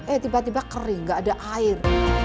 eh tiba tiba kering gak ada air